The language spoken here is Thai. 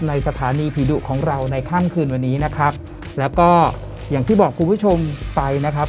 สถานีผีดุของเราในค่ำคืนวันนี้นะครับแล้วก็อย่างที่บอกคุณผู้ชมไปนะครับ